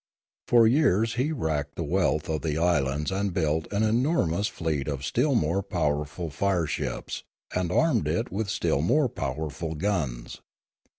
For years he racked the wealth of the islands and built an enormous fleet of still more powerful fire ships, and armed it with still more powerful guns.